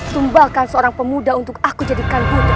cumbalkan seorang pemuda untuk aku jadikan buddha